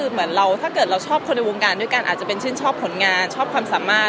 เหมือนเราถ้าเกิดเราชอบคนในวงการด้วยกันอาจจะเป็นชื่นชอบผลงานชอบความสามารถ